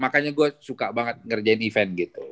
makanya gue suka banget ngerjain event gitu